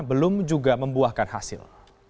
belum juga membuahkan hasil